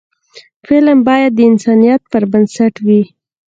فلم باید د انسانیت پر بنسټ وي